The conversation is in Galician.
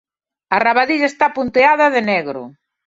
A rabadilla está punteada de negro.